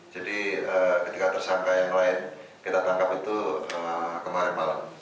jadi ketika tersangka yang lain kita tangkap itu kemarin malam